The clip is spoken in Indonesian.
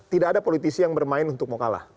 tidak ada politisi yang bermain untuk mau kalah